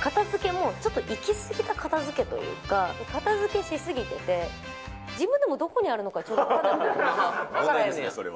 片づけも、ちょっといき過ぎた片づけというか、片づけしすぎてて、自分でもどこにあるのか、ちょっと分からなく問題ですね、それは。